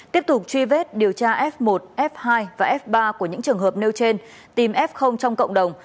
tiếp tục truy vết điều tra f một f hai và f ba của những trường hợp nêu trên tìm f trong cộng đồng